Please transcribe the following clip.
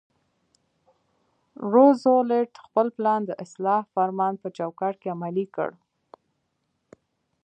روزولټ خپل پلان د اصلاح فرمان په چوکاټ کې عملي کړ.